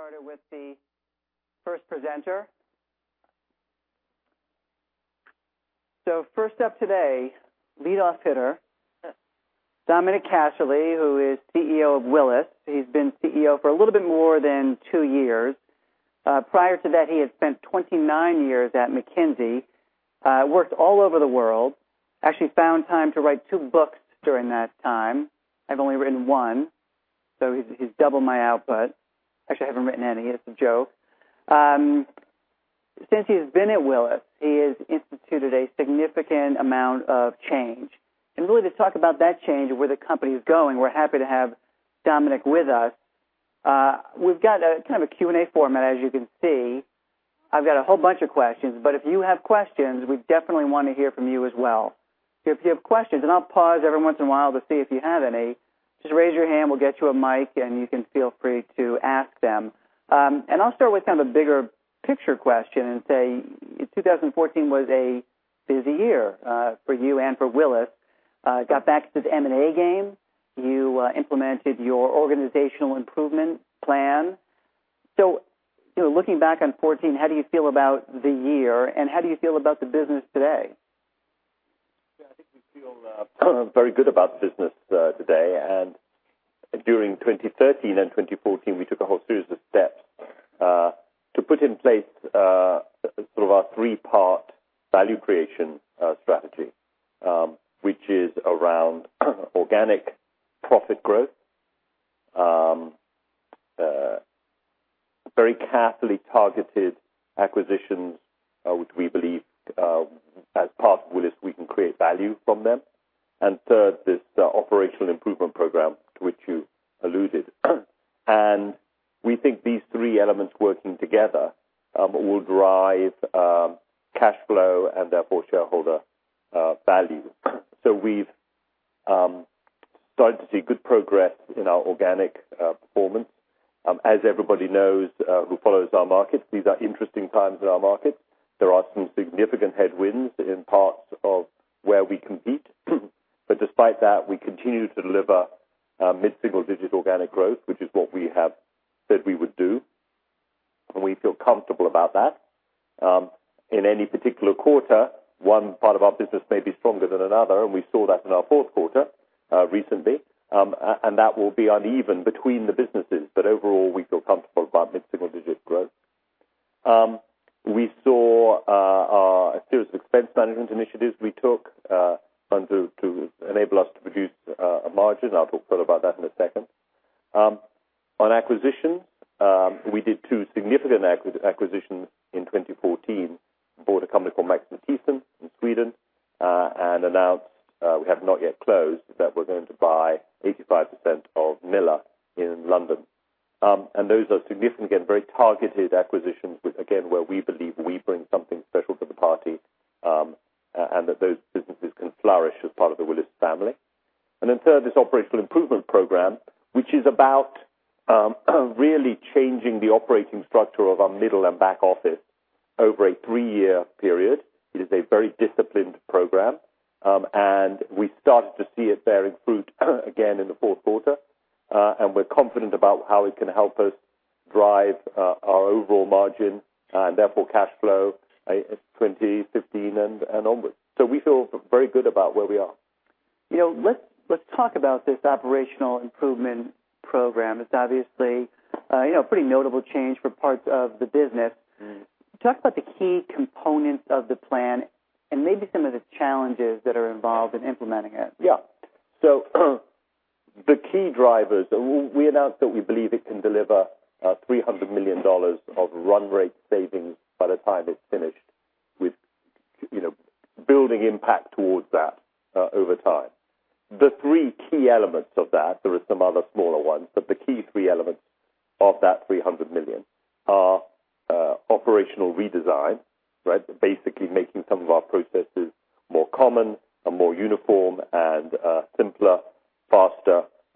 We'll get started with the first presenter. First up today, lead off hitter, Dominic Casserley, who is CEO of Willis. He's been CEO for a little bit more than two years. Prior to that, he had spent 29 years at McKinsey, worked all over the world, actually found time to write two books during that time. I've only written one, so he's double my output. Actually, I haven't written any. It's a joke. Since he's been at Willis, he has instituted a significant amount of change. Really to talk about that change and where the company is going, we're happy to have Dominic with us. We've got a kind of a Q&A format, as you can see. I've got a whole bunch of questions, but if you have questions, we definitely want to hear from you as well. If you have questions, and I'll pause every once in a while to see if you have any, just raise your hand, we'll get you a mic, and you can feel free to ask them. I'll start with kind of a bigger picture question and say, 2014 was a busy year for you and for Willis. Got back to the M&A game. You implemented your organizational improvement plan. Looking back on 2014, how do you feel about the year, and how do you feel about the business today? Yeah, I think we feel very good about the business today. During 2013 and 2014, we took a whole series of steps to put in place sort of our three-part value creation strategy, which is around organic profit growth. Very carefully targeted acquisitions, which we believe as part of Willis, we can create value from them. Third, this operational improvement program to which you alluded. We think these three elements working together will drive cash flow and therefore shareholder value. We've started to see good progress in our organic performance. As everybody knows who follows our market, these are interesting times in our market. There are some significant headwinds in parts of where we compete, but despite that, we continue to deliver mid-single digit organic growth, which is what we have said we would do, and we feel comfortable about that. In any particular quarter, one part of our business may be stronger than another, and we saw that in our fourth quarter recently. That will be uneven between the businesses. Overall, we feel comfortable about mid-single digit growth. We saw our serious expense management initiatives we took to enable us to produce a margin. I'll talk further about that in a second. On acquisition, we did two significant acquisitions in 2014. Bought a company called Max Matthiessen in Sweden and announced, we have not yet closed, but we're going to buy 85% of Miller in London. Those are significant, again, very targeted acquisitions, which again, where we believe we bring something special to the party, and that those businesses can flourish as part of the Willis family. Third, this operational improvement program, which is about really changing the operating structure of our middle and back office over a three-year period. It is a very disciplined program, and we started to see it bearing fruit again in the fourth quarter. We're confident about how it can help us drive our overall margin and therefore cash flow in 2015 and onward. We feel very good about where we are. Let's talk about this operational improvement program. It's obviously a pretty notable change for parts of the business. Talk about the key components of the plan and maybe some of the challenges that are involved in implementing it. The key drivers, we announced that we believe it can deliver $300 million of run rate savings by the time it's finished with building impact towards that over time. The three key elements of that, there are some other smaller ones, but the key three elements of that $300 million are operational redesign, right? Basically making some of our processes more common and more uniform and simpler,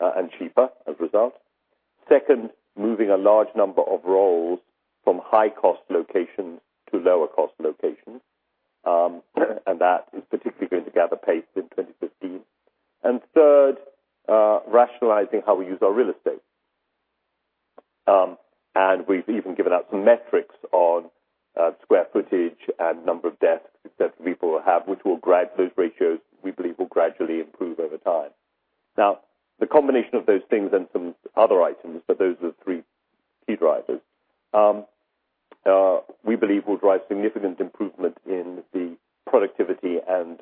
faster, and cheaper as a result. Second, moving a large number of roles from high-cost locations to lower-cost locations. That is particularly going to gather pace in 2015. Third, rationalizing how we use our real estate. We've even given out some metrics on square footage and number of desks that people have, which those ratios we believe will gradually improve over time. The combination of those things and some other items, but those are the three key drivers, we believe will drive significant improvement in the productivity and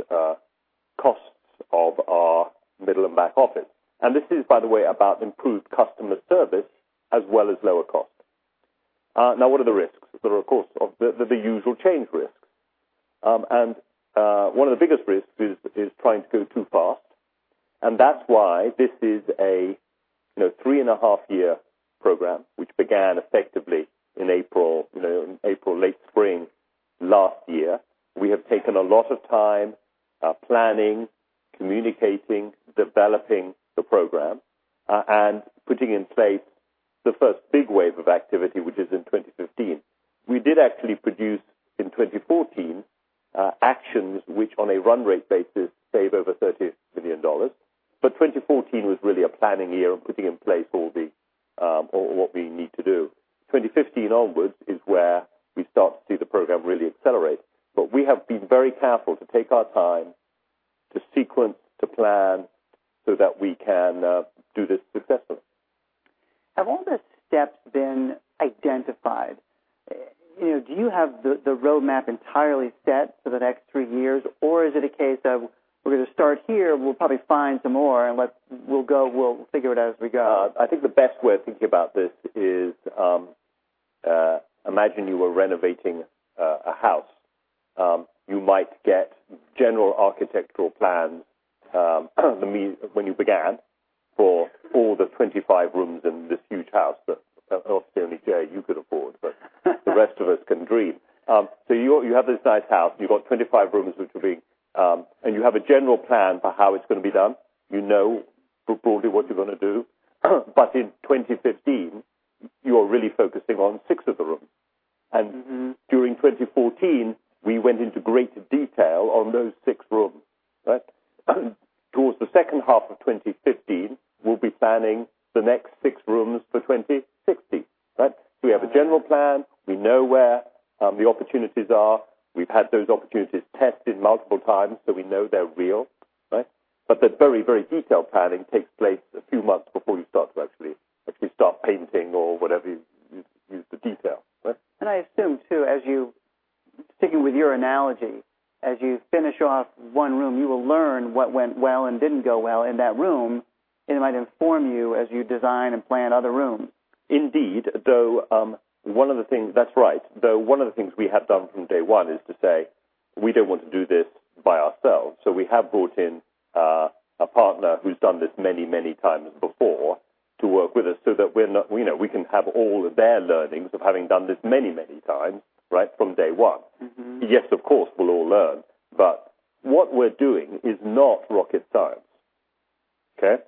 costs of our middle and back office. This is, by the way, about improved customer service as well as lower cost. What are the risks? There are, of course, the usual change risks. One of the biggest risks is trying to go too fast. That's why this is a three-and-a-half-year program, which began effectively in April, late spring last year. We have taken a lot of time planning, communicating, developing the program, and putting in place the first big wave of activity, which is in 2015. We did actually produce in 2014 actions which on a run rate basis save over $30 million. 2014 was really a planning year and putting in place all what we need to do. 2015 onwards is where we start to see the program really accelerate. We have been very careful to take our time, to sequence, to plan so that we can do this successfully. Have all the steps been identified? Do you have the roadmap entirely set for the next three years? Is it a case of we're going to start here, we'll probably find some more, and we'll figure it out as we go? I think the best way of thinking about this is, imagine you were renovating a house. You might get general architectural plans when you began for all the 25 rooms in this huge house that obviously only Jay you could afford, but the rest of us can dream. You have this nice house, you've got 25 rooms and you have a general plan for how it's going to be done. You know broadly what you're going to do. In 2015, you are really focusing on six of the rooms. During 2014, we went into great detail on those 6 rooms, right? Towards the second half of 2015, we will be planning the next 6 rooms for 2016, right? Right. We have a general plan. We know where the opportunities are. We have had those opportunities tested multiple times, so we know they are real, right? The very detailed planning takes place a few months before you start to actually start painting or whatever you use to detail. I assume too, sticking with your analogy, as you finish off one room, you will learn what went well and did not go well in that room, and it might inform you as you design and plan other rooms. Indeed. That is right. One of the things we have done from day one is to say we do not want to do this by ourselves. We have brought in a partner who has done this many, many times before to work with us so that we know we can have all of their learnings of having done this many, many times, right from day one. Yes, of course we'll all learn, what we're doing is not rocket science. Okay?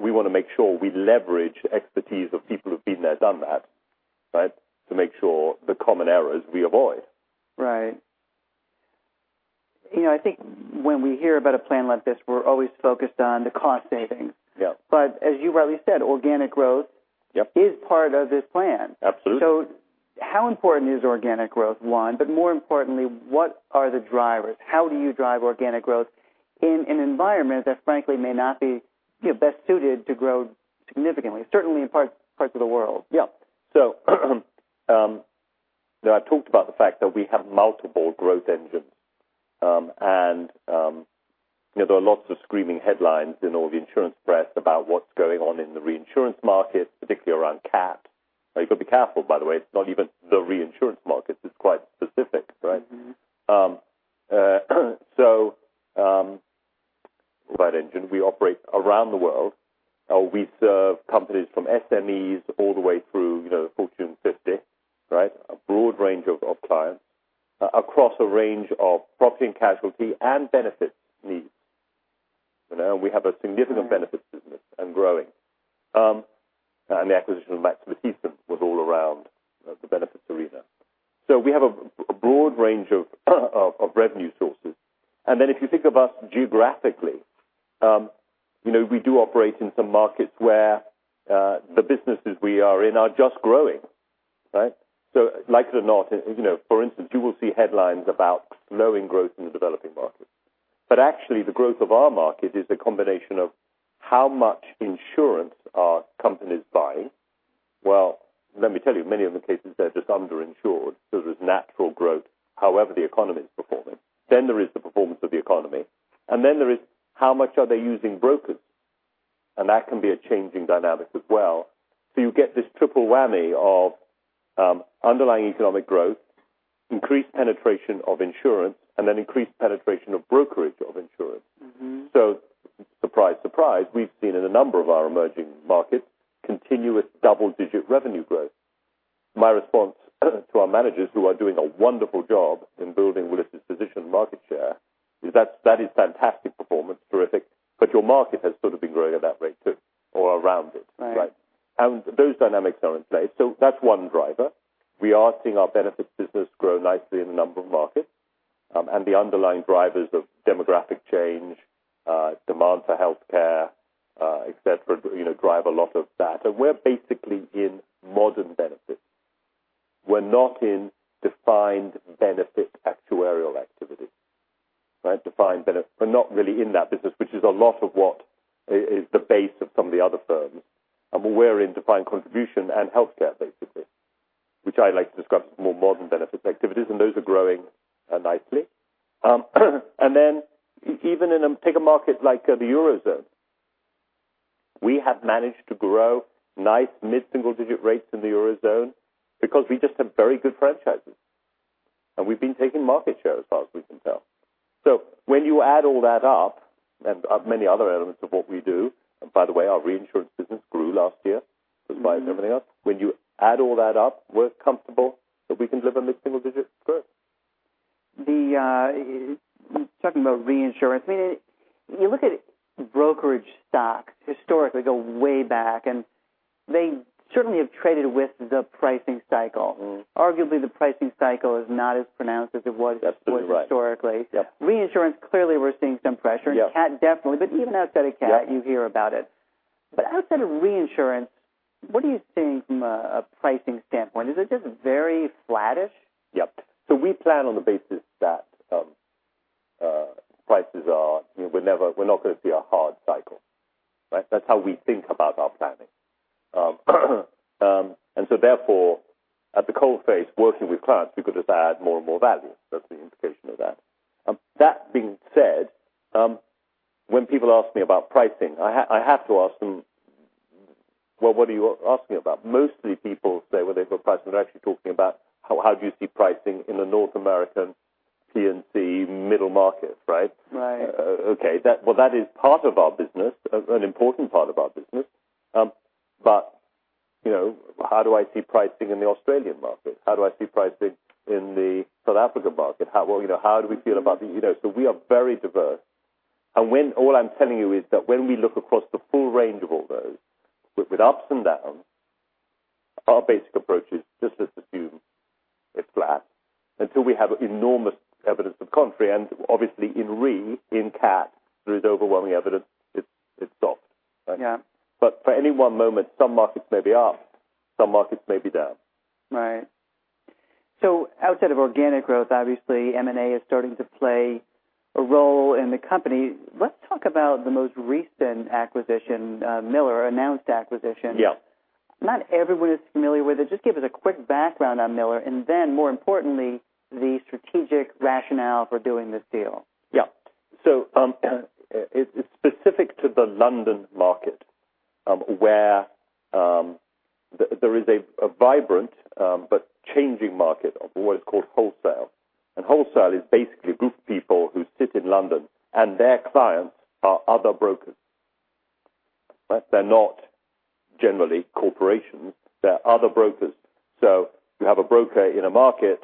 We want to make sure we leverage the expertise of people who've been there, done that, right? To make sure the common errors we avoid. Right. I think when we hear about a plan like this, we're always focused on the cost savings. Yep. as you rightly said, organic growth. Yep is part of this plan. Absolutely. How important is organic growth, one, but more importantly, what are the drivers? How do you drive organic growth in an environment that, frankly, may not be best suited to grow significantly, certainly in parts of the world? I talked about the fact that we have multiple growth engines. There are lots of screaming headlines in all the insurance press about what's going on in the reinsurance market, particularly around CAT. You've got to be careful, by the way, it's not even the reinsurance market. It's quite specific, right? Growth engine, we operate around the world. We serve companies from SMEs all the way through Fortune 50, right? A broad range of clients across a range of property and casualty and benefits needs. We have a significant benefits business and growing. The acquisition of Max Matthiessen was all around the benefits arena. We have a broad range of revenue sources. If you think of us geographically, we do operate in some markets where the businesses we are in are just growing. Right? Like it or not, for instance, you will see headlines about slowing growth in the developing markets. Actually, the growth of our market is a combination of how much insurance are companies buying. Well, let me tell you, many of the cases, they're just under-insured. There's natural growth, however the economy is performing. There is the performance of the economy, and then there is how much are they using brokers. That can be a changing dynamic as well. You get this triple whammy of underlying economic growth, increased penetration of insurance, and then increased penetration of brokerage of insurance. Surprise, surprise, we've seen in a number of our emerging markets continuous double-digit revenue growth. My response to our managers, who are doing a wonderful job in building Willis' position market share, is that is fantastic performance, terrific, but your market has sort of been growing at that rate too, or around it. Right. Those dynamics are in play. That's one driver. We are seeing our benefits business grow nicely in a number of markets. The underlying drivers of demographic change, demand for healthcare, et cetera, drive a lot of that. We're basically in modern benefits. We're not in defined benefit actuarial activity. Right? We're not really in that business, which is a lot of what is the base of some of the other firms. We're in defined contribution and healthcare, basically, which I like to describe as more modern benefits activities, and those are growing nicely. Even in, take a market like the Eurozone. We have managed to grow nice mid-single digit rates in the Eurozone because we just have very good franchises, and we've been taking market share as far as we can tell. When you add all that up and many other elements of what we do, and by the way, our reinsurance business grew last year despite everything else. When you add all that up, we're comfortable that we can deliver mid-single digit growth. Talking about reinsurance, you look at brokerage stocks historically, go way back, they certainly have traded with the pricing cycle. Arguably, the pricing cycle is not as pronounced as it was. Absolutely right. historically. Yep. Reinsurance, clearly we're seeing some pressure. Yep. In CAT, definitely. Even outside of CAT. Yep You hear about it. Outside of reinsurance, what are you seeing from a pricing standpoint? Is it just very flattish? Yep. We plan on the basis that We're not going to see a hard cycle, right? That's how we think about our planning. Therefore, at the coal face, working with clients, we could just add more and more value. That's the implication of that. That being said, when people ask me about pricing, I have to ask them, "Well, what are you asking about?" Mostly people say when they talk pricing, they're actually talking about how do you see pricing in the North American P&C middle market, right? Right. Okay. Well, that is part of our business, an important part of our business. How do I see pricing in the Australian market? How do I see pricing in the South Africa market? We are very diverse. All I'm telling you is that when we look across the full range of all those, with ups and downs, our basic approach is just assume it's flat until we have enormous evidence to the contrary. Obviously in re, in CAT, there is overwhelming evidence it's soft. Yeah. For any one moment, some markets may be up, some markets may be down. Right. Outside of organic growth, obviously M&A is starting to play a role in the company. Let's talk about the most recent acquisition, Miller announced acquisition. Yeah. Not everyone is familiar with it. Just give us a quick background on Miller and more importantly, the strategic rationale for doing this deal. Yeah. It's specific to the London market, where there is a vibrant but changing market of what is called wholesale. Wholesale is basically a group of people who sit in London, and their clients are other brokers, right? They're not generally corporations. They're other brokers. You have a broker in a market,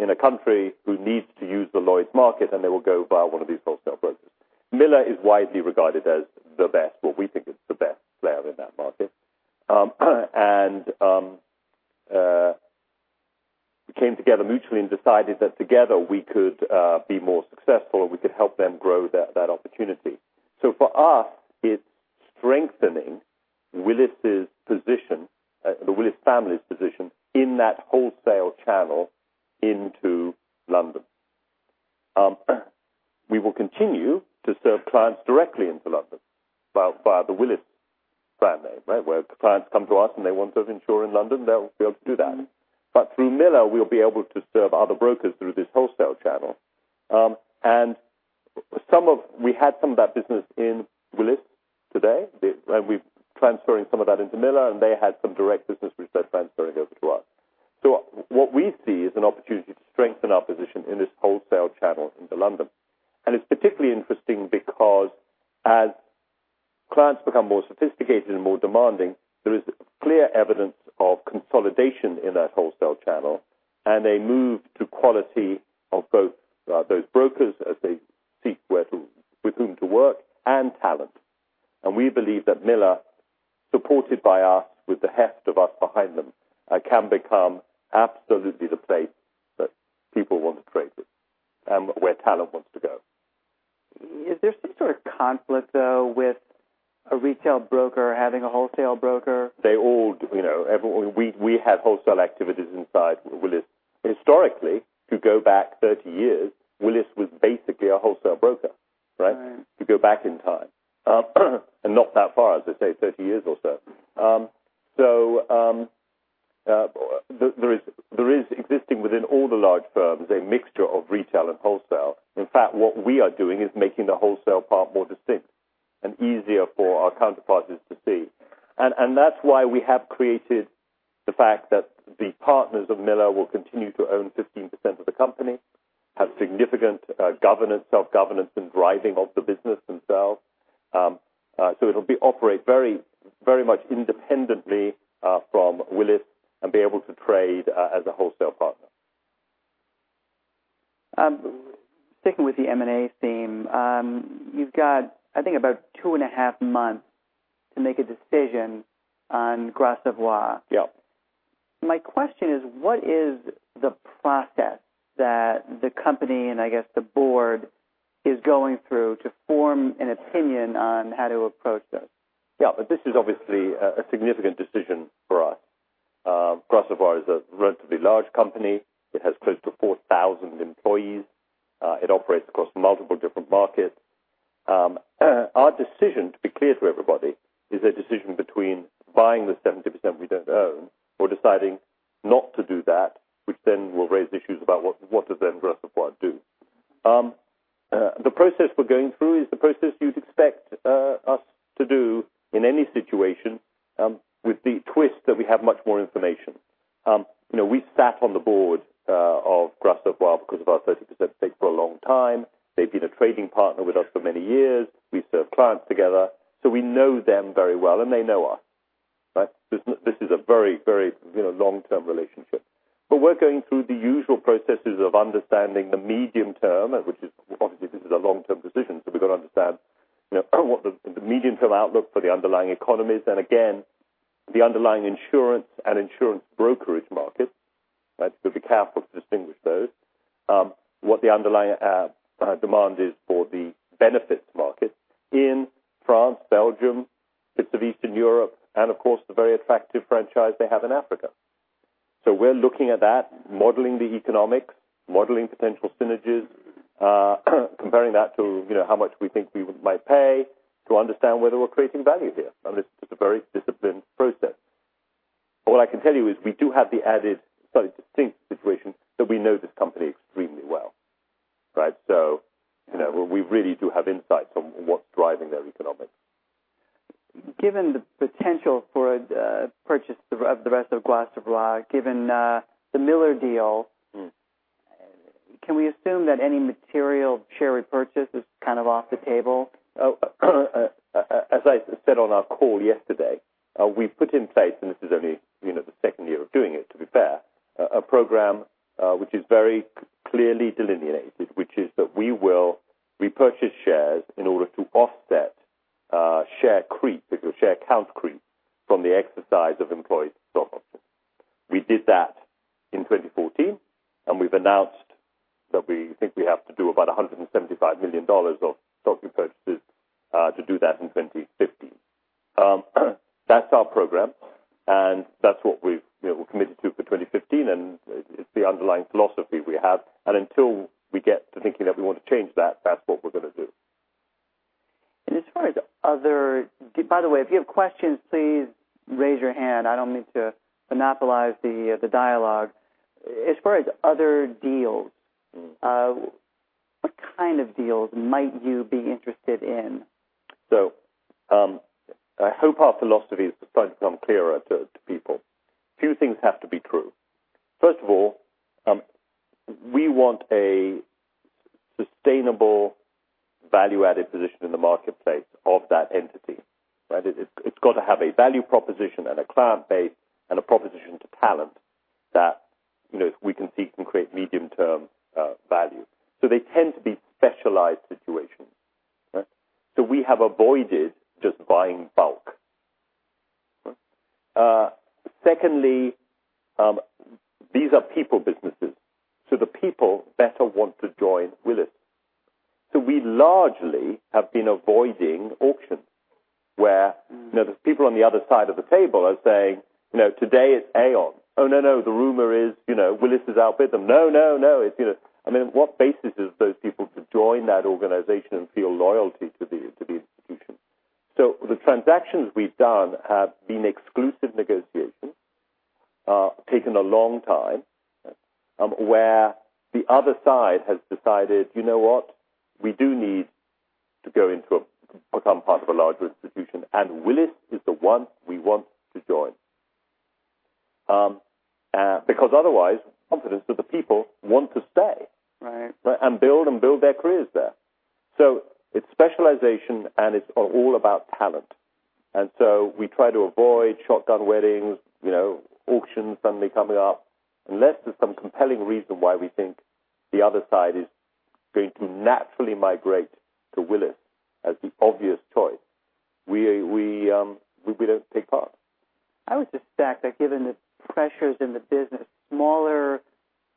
in a country who needs to use the Lloyd's market, and they will go via one of these wholesale brokers. Miller is widely regarded as the best. Well, we think it's the best player in that market. We came together mutually and decided that together we could be more successful, or we could help them grow that opportunity. For us, it's strengthening Willis' position, the Willis family's position in that wholesale channel into London. We will continue to serve clients directly into London via the Willis brand name, right? Where the clients come to us and they want to insure in London, they'll be able to do that. Through Miller, we'll be able to serve other brokers through this wholesale channel. We had some of that business in Willis today. We're transferring some of that into Miller, and they had some direct business which they're transferring over to us. What we see is an opportunity to strengthen our position in this wholesale channel into London. It's particularly interesting because as clients become more sophisticated and more demanding, there is clear evidence of consolidation in that wholesale channel. A move to quality of both those brokers as they seek with whom to work, and talent. We believe that Miller, supported by us with the heft of us behind them, can become absolutely the place that people want to trade with, and where talent wants to go. Is there some sort of conflict, though, with a retail broker having a wholesale broker? We have wholesale activities inside Willis. Historically, if you go back 30 years, Willis was basically a wholesale broker, right? Right. If you go back in time. Not that far, as I say, 30 years or so. There is existing within all the large firms, a mixture of retail and wholesale. In fact, what we are doing is making the wholesale part more distinct and easier for our counterparts just to see. That's why we have created the fact that the partners of Miller will continue to own 15% of the company, have significant self-governance in driving of the business themselves. It'll operate very much independently from Willis and be able to trade as a wholesale partner. Sticking with the M&A theme. You've got, I think about two and a half months to make a decision on Gras Savoye. Yep. My question is, what is the process that the company and I guess the board is going through to form an opinion on how to approach this? Yeah. This is obviously a significant decision for us. Gras Savoye is a relatively large company. It has close to 4,000 employees. It operates across multiple different markets. Our decision, to be clear to everybody, is a decision between buying the 70% we don't own or deciding not to do that, which then will raise issues about what does then Gras Savoye do. The process we're going through is the process you'd expect us to do in any situation, with the twist that we have much more information. We sat on the board of Gras Savoye because of our 30% stake for a long time. They've been a trading partner with us for many years. We serve clients together. We know them very well, and they know us. Right. This is a very long-term relationship, we're going through the usual processes of understanding the medium term, which is obviously this is a long-term decision, so we've got to understand what the medium-term outlook for the underlying economies and again, the underlying insurance and insurance brokerage markets, right? Be careful to distinguish those. What the underlying demand is for the benefits market in France, Belgium, bits of Eastern Europe, and of course, the very attractive franchise they have in Africa. We're looking at that, modeling the economics, modeling potential synergies, comparing that to how much we think we might pay to understand whether we're creating value here. This is a very disciplined process. What I can tell you is we do have the added, slightly distinct situation that we know this company extremely well, right? We really do have insights on what's driving their economics. Given the potential for purchase of the rest of Gras Savoye, given the Miller deal. Can we assume that any material share repurchase is kind of off the table? As I said on our call yesterday, we put in place, and this is only the second year of doing it, to be fair, a program which is very clearly delineated, which is that we will repurchase shares in order to offset share creep, if you will, share count creep from the exercise of employee stock options. We did that in 2014, and we've announced that we think we have to do about $175 million of stock repurchases to do that in 2015. That's our program, and that's what we've committed to for 2015, and it's the underlying philosophy we have. Until we get to thinking that we want to change that's what we're going to do. As far as other. By the way, if you have questions, please raise your hand. I don't mean to monopolize the dialogue. As far as other deals. What kind of deals might you be interested in? I hope our philosophy has started to become clearer to people. Two things have to be true. First of all, we want a sustainable value-added position in the marketplace of that entity, right? It's got to have a value proposition and a client base and a proposition to talent that we can see can create medium-term value. They tend to be specialized situations, right? We have avoided just buying bulk. Secondly, these are people businesses, so the people better want to join Willis. We largely have been avoiding auctions where the people on the other side of the table are saying, "Today it's Aon." "Oh, no. The rumor is Willis has outbid them." "No." I mean, what basis is those people to join that organization and feel loyalty to the institution? The transactions we've done have been exclusive negotiations, taken a long time, where the other side has decided, "You know what? We do need to become part of a larger institution, and Willis is the one we want to join." Because otherwise, confidence that the people want to stay. Right. Build their careers there. It's specialization, and it's all about talent. We try to avoid shotgun weddings, auctions suddenly coming up. Unless there's some compelling reason why we think the other side is going to naturally migrate to Willis as the obvious choice, we don't take part. I would suspect that given the pressures in the business, smaller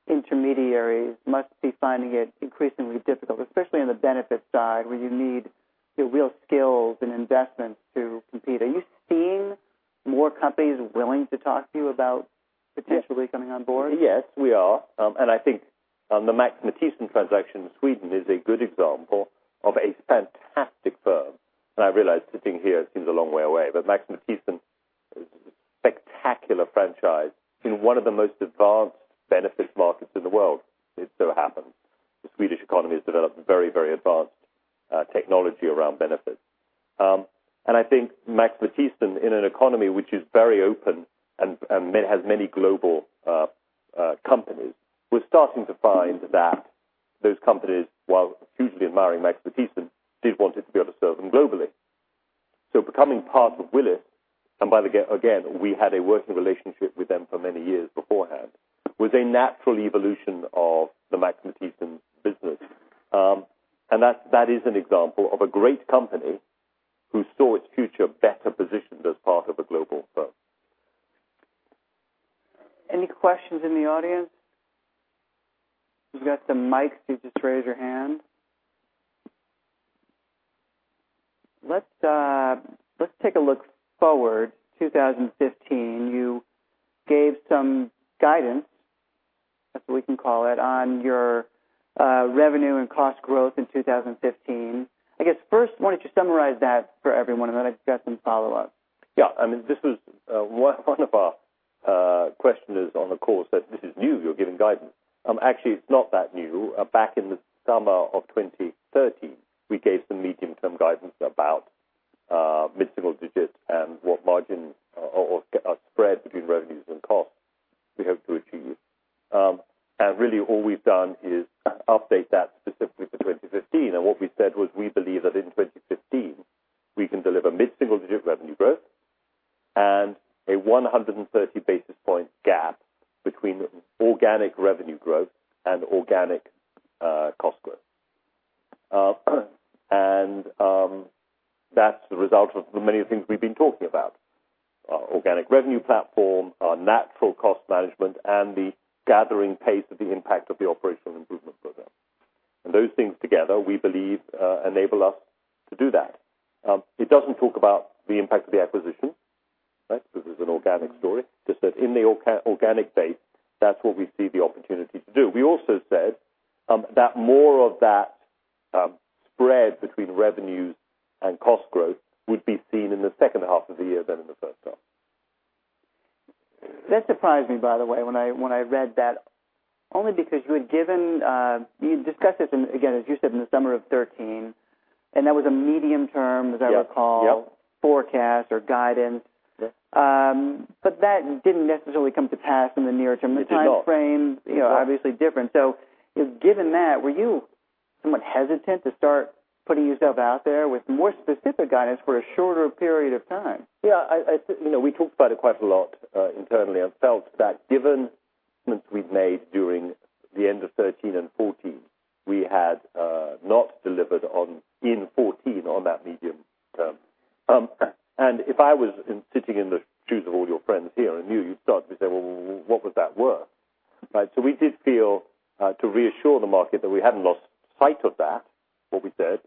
intermediaries must be finding it increasingly difficult, especially on the benefits side, where you need real skills and investments to compete. Are you seeing more companies willing to talk to you about potentially coming on board? Yes, we are. I think the Max Matthiessen transaction in Sweden is a good example of a fantastic firm. I realize sitting here, it seems a long way away, but Max Matthiessen is a spectacular franchise in one of the most advanced benefits markets in the world. It so happens the Swedish economy has developed very advanced technology around benefits. I think Max Matthiessen, in an economy which is very open and has many global companies, was starting to find that those companies, while hugely admiring Max Matthiessen, did want it to be able to serve them globally. Becoming part of Willis, and by the way, again, we had a working relationship with them for many years beforehand, was a natural evolution of the Max Matthiessen business. That is an example of a great company who saw its future better positioned as part of a global firm. Any questions in the audience? We've got some mics, so you just raise your hand. Let's take a look forward, 2015. You gave some guidance, if we can call it, on your revenue and cost growth in 2015. I guess first, why don't you summarize that for everyone, then I've got some follow-ups. Yeah. I mean, one of our questioners on the call said, "This is new, you're giving guidance." Actually, it's not that new. Back in the summer of 2013, we gave some medium-term guidance about mid-single digits and what margin or spread between revenues and costs We hope to achieve. Really all we've done is update that specifically for 2015. What we said was we believe that in 2015 we can deliver mid-single digit revenue growth and a 130 basis point gap between organic revenue growth and organic cost growth. That's the result of the many things we've been talking about. Our organic revenue platform, our natural cost management, and the gathering pace of the impact of the operational improvement program. Those things together, we believe, enable us to do that. It doesn't talk about the impact of the acquisition, right? Because it's an organic story. Just that in the organic base, that's what we see the opportunity to do. We also said that more of that spread between revenues and cost growth would be seen in the second half of the year than in the first half. That surprised me, by the way, when I read that, only because you had discussed this in, again, as you said, in the summer of 2013, that was a medium term, as I recall. Yep forecast or guidance Yes. That didn't necessarily come to pass in the near term. It did not. The time frames, obviously different, given that, were you somewhat hesitant to start putting yourself out there with more specific guidance for a shorter period of time? Yeah. We talked about it quite a lot internally and felt that given what we've made during the end of 2013 and 2014, we had not delivered in 2014 on that medium term. If I was sitting in the shoes of all your friends here and you'd start to say, "Well, what was that worth?" Right? We did feel to reassure the market that we hadn't lost sight of that, what we said,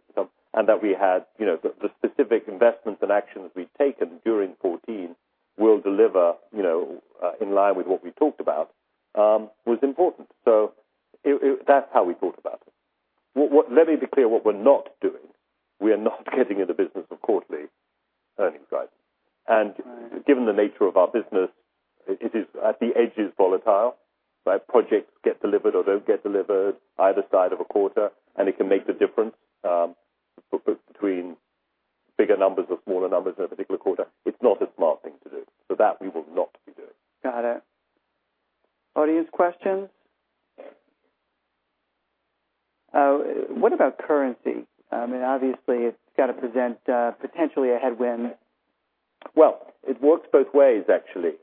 and that we had the specific investments and actions we'd taken during 2014 will deliver in line with what we talked about, was important. That's how we thought about it. Let me be clear what we're not doing. We are not getting in the business of quarterly earnings guidance. Right. Given the nature of our business, at the edge is volatile. Projects get delivered or don't get delivered either side of a quarter, and it can make the difference between bigger numbers or smaller numbers in a particular quarter. It's not a smart thing to do. That we will not be doing. Got it. Audience questions? What about currency? I mean, obviously it's got to present potentially a headwind. It works both ways, actually.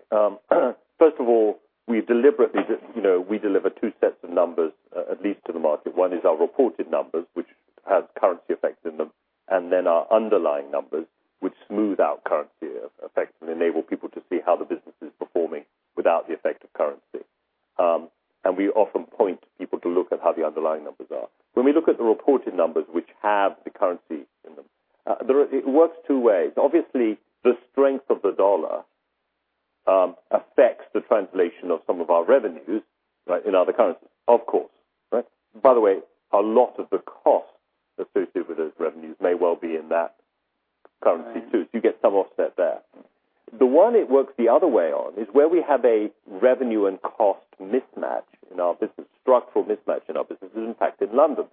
First of all, we deliberately deliver two sets of numbers, at least to the market. One is our reported numbers, which has currency effects in them, and then our underlying numbers, which smooth out currency effects and enable people to see how the business is performing without the effect of currency. We often point people to look at how the underlying numbers are. When we look at the reported numbers, which have the currency in them, it works two ways. Obviously, the strength of the U.S. dollar affects the translation of some of our revenues in other currencies, of course, right? By the way, a lot of the costs associated with those revenues may well be in that currency too. Right. You get some offset there. The one it works the other way on is where we have a revenue and cost mismatch in our business, structural mismatch in our business, is in fact in London,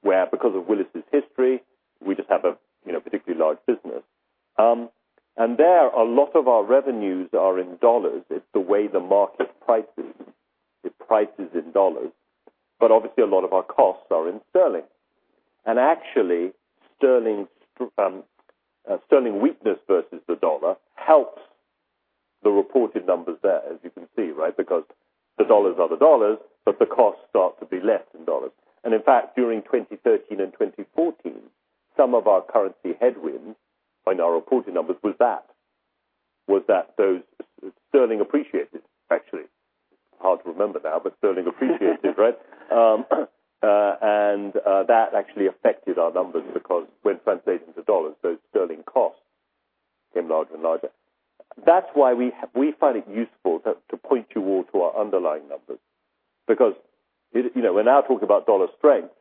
where, because of Willis's history, we just have a particularly large business. There, a lot of our revenues are in $. It's the way the market prices. It prices in $, but obviously a lot of our costs are in GBP. Actually, GBP weakness versus the $ helps the reported numbers there, as you can see. Because the $ are the $, but the costs start to be less in $. In fact, during 2013 and 2014, some of our currency headwind in our reported numbers was that those GBP appreciated. Actually, hard to remember now, but GBP appreciated, right? That actually affected our numbers because when translating to $, those GBP costs became larger and larger. That's why we find it useful to point you all to our underlying numbers. We're now talking about $ strength.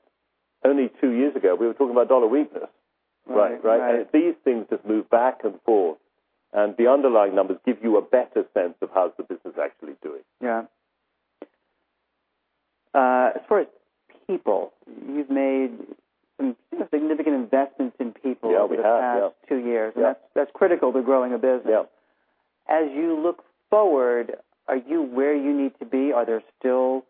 Only two years ago, we were talking about $ weakness, right? Right. These things just move back and forth, and the underlying numbers give you a better sense of how the business is actually doing. Yeah. As far as people, you've made some significant investments in people- Yeah, we have over the past two years Yeah. That's critical to growing a business. Yeah. As you look forward, are you where you need to be? Are there still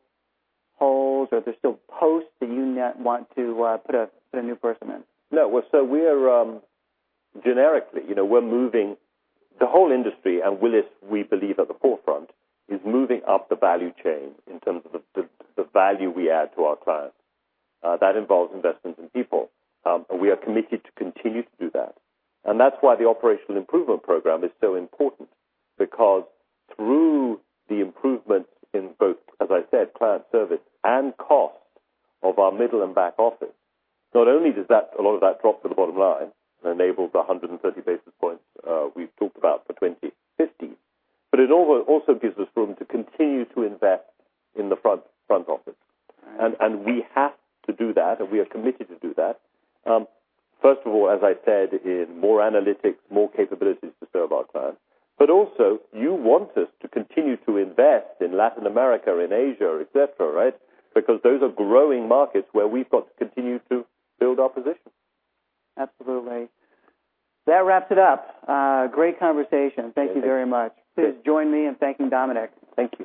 holes? Are there still posts that you now want to put a new person in? No. We're moving. The whole industry, and Willis, we believe, at the forefront, is moving up the value chain in terms of the value we add to our clients. That involves investments in people. We are committed to continue to do that. That's why the operational improvement program is so important because through the improvements in both, as I said, client service and cost of our middle and back office, not only does a lot of that drop to the bottom line, enables the 130 basis points we've talked about for 2015, but it also gives us room to continue to invest in the front office. Right. We have to do that, and we are committed to do that. First of all, as I said, in more analytics, more capabilities to serve our clients. Also, you want us to continue to invest in Latin America, in Asia, et cetera, right? Those are growing markets where we've got to continue to build our position. Absolutely. That wraps it up. Great conversation. Thank you very much. Good. Please join me in thanking Dominic. Thank you.